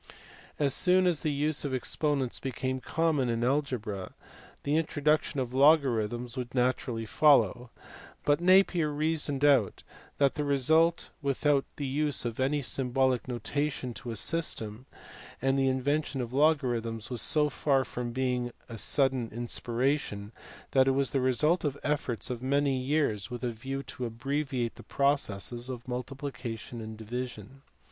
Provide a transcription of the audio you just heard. As soon as the use of exponents became common in algebra the introduction of logarithms would naturally follow, but Napier reasoned out the result without the use of any symbolic notation to assist him, and the invention of logarithms was so far from being a sudden inspiration that it was the result of the efforts of many years with a view to abbreviate the processes of multiplication and division.